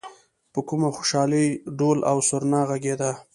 په کومه خوشالۍ ډول او سرنا غږېده.